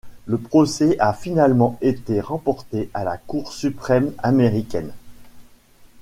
Le procès a finalement été remporté à la Cour suprême américaine.